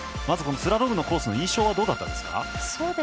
スラロームのコースの印象はどうだったんですか？